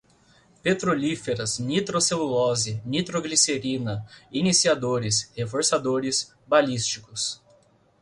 petrolíferas, nitrocelulose, nitroglicerina, iniciadores, reforçadores, balísticos